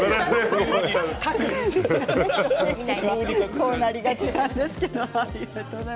こうなりがちなんですけれども。